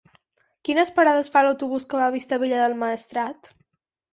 Quines parades fa l'autobús que va a Vistabella del Maestrat?